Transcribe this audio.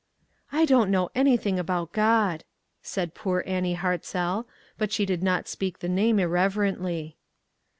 "I don't know anything about God," said poor Annie Hartzell ; but she did not speak the name irreverently.